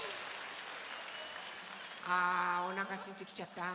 あおなかすいてきちゃった。